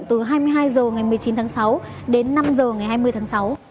từ hai mươi hai h ngày một mươi chín tháng sáu đến năm h ngày hai mươi tháng sáu